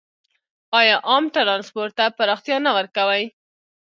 آیا عام ټرانسپورټ ته پراختیا نه ورکوي؟